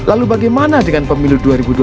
lalu bagaimana dengan pemilu dua ribu dua puluh